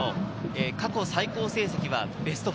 過去最高成績はベスト４。